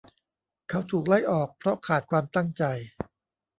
เขาถูกไล่ออกเพราะขาดความตั้งใจ